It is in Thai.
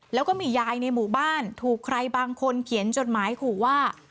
แล้วก็มียายในหมู่บ้านถูกใครบางคนเขียนจดหมายขู่ว่า